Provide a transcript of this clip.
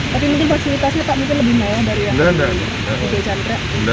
tapi mungkin fasilitasnya pak mungkin lebih mewah dari yang di kecantra